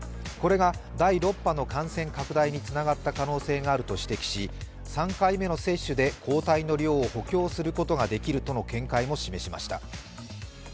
これが第６波の感染拡大につながった可能性があると指摘し３回目の接種で抗体の量を補強することが出来るとの見解も示しました。